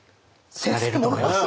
なれると思います。